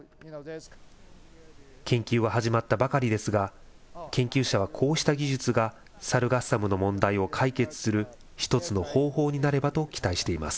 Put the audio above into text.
研究は始まったばかりですが、研究者はこうした技術がサルガッサムの問題を解決する一つの方法になればと期待しています。